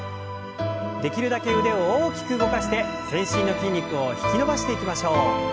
できるだけ腕を大きく動かして全身の筋肉を引き伸ばしていきましょう。